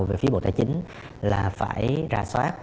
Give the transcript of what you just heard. về phía bộ tài chính là phải ra soát